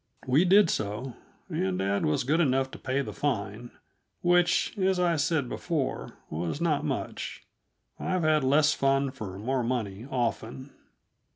We did so, and dad was good enough to pay the fine, which, as I said before, was not much. I've had less fun for more money, often.